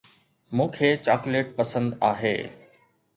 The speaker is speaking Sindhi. مون کي چاڪليٽ پسند آهي.